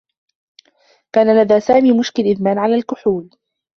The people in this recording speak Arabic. كان لدى سامي مشكل إدمان على الكحول.